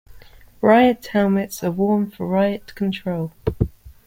Riot helmets are worn for riot control.